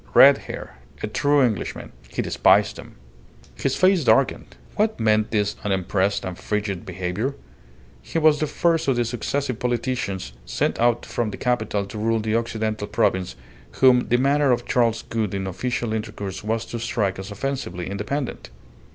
Red hair. A true Englishman. He despised him. His face darkened. What meant this unimpressed and frigid behaviour? He was the first of the successive politicians sent out from the capital to rule the Occidental Province whom the manner of Charles Gould in official intercourse was to strike as offensively independent.